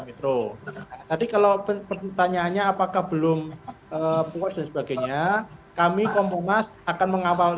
metro tadi kalau penutup tanyaannya apakah belum puas dan sebagainya kami kompongas akan mengawal